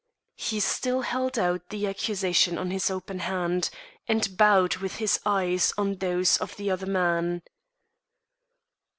He still held out the accusation on his open hand, and bowed with his eyes on those of the other man.